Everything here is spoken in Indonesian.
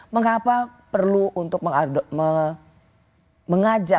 mengapa perlu untuk mengajak